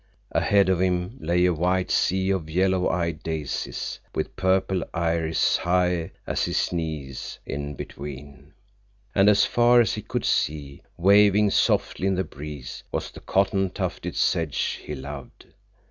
Ahead of him lay a white sea of yellow eyed daisies, with purple iris high as his knees in between, and as far as he could see, waving softly in the breeze, was the cotton tufted sedge he loved.